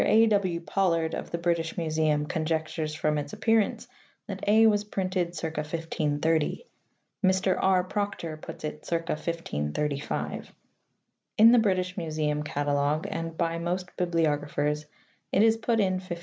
A. W. Pollard of the British Museum conjectures from its appearance that (a) was printed circa 1530; Mr. R. Proctor puts it circa 1535. In the British Museum catalogue and by most bibliographers it is put in 1524.